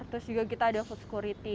terus juga kita ada food security